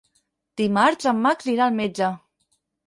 Dimarts en Max irà al metge.